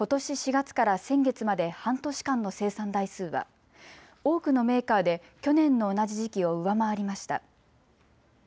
４月から先月まで半年間の生産台数は多くのメーカーで去年の同じ時期を上回りました。